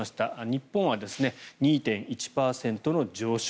日本は２．１％の上昇。